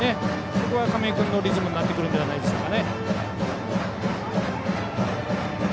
そこは亀井君のリズムになるんじゃないでしょうか。